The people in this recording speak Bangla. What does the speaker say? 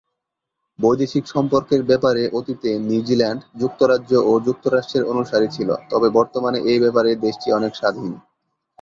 বৈদেশিক সম্পর্কের ব্যাপারে অতীতে নিউজিল্যান্ড যুক্তরাজ্য ও যুক্তরাষ্ট্রের অনুসারী ছিল, তবে বর্তমানে এ ব্যাপারে দেশটি অনেক স্বাধীন।